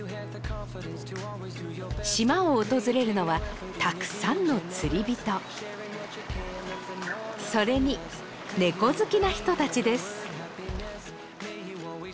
島を訪れるのはたくさんの釣り人それに猫好きな人たちです